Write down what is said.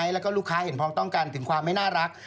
แล้วก็ลูกค้าเห็นพร้อมต้องกันถึงความไม่น่ารัก